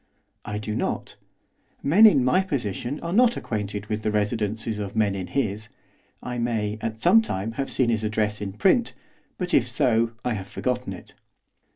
'I do not. Men in my position are not acquainted with the residences of men in his. I may, at some time, have seen his address in print; but, if so, I have forgotten it.